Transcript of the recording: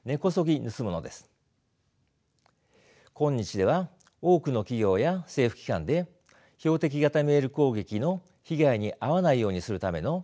今日では多くの企業や政府機関で標的型メール攻撃の被害に遭わないようにするための訓練を行っていますね。